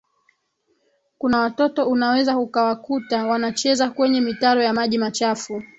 kuna watoto unaweza ukawakuta wanacheza kwenye mitaro ya maji machafu